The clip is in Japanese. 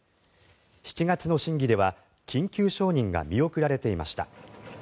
７月の審議では緊急承認が見送られていました。